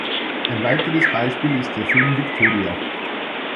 Ein weiteres Beispiel ist der Film Victoria.